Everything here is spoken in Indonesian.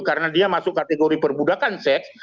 karena dia masuk kategori perbudakan seks